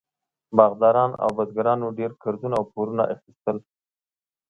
باغداران او بزګرانو ډېر قرضونه او پورونه اخیستل.